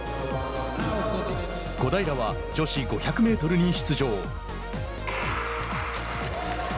小平は女子５００メートルに出場。